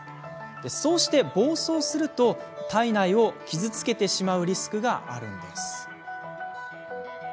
そうして暴走すると体内を傷つけてしまうリスクがあるんです。